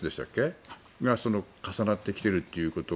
それが重なってきているということ。